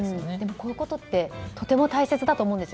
こういうことってとても大切だと思うんです。